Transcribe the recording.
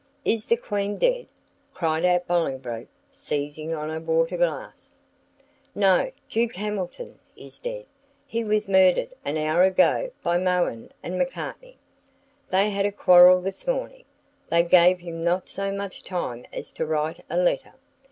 "Is the Queen dead?" cries out Bolingbroke, seizing on a water glass. "No, Duke Hamilton is dead: he was murdered an hour ago by Mohun and Macartney; they had a quarrel this morning; they gave him not so much time as to write a letter.